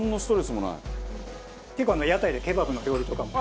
結構屋台でケバブの料理とかも。